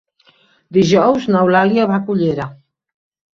Dijous n'Eulàlia va a Cullera.